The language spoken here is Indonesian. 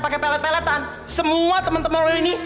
pake pelet peletan semua temen temen lo ini